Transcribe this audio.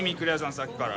さっきから。